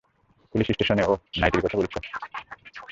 Police স্টেশনে, ওহ নাইটির কথা বলছো!